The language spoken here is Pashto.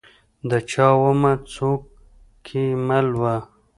د چا ومه؟ څوک کې مل وه ؟